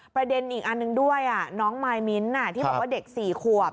ประเด็นอีกอันหนึ่งด้วยน้องมายมิ้นท์ที่บอกว่าเด็ก๔ขวบ